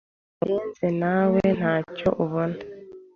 ibigenze newe ntecyo ubone